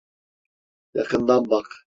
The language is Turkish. Yakından bak.